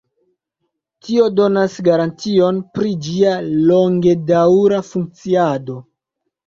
Tio donas garantion pri ĝia longedaŭra funkciado.